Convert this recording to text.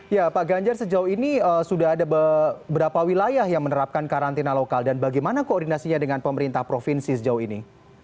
ya pak ganjar sejauh ini sudah ada beberapa wilayah yang menerapkan karantina lokal dan bagaimana koordinasinya dengan pemerintah provinsi sejauh ini